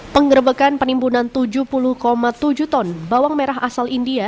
penggerbekan penimbunan tujuh puluh tujuh ton bawang merah asal india